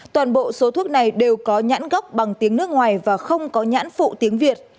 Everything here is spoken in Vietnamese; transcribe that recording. toàn bộ số thuốc này đều có nhãn gốc bằng tiếng nước ngoài và không có nhãn phụ tiếng việt